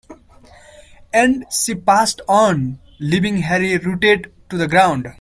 And she passed on, leaving Harry rooted to the ground.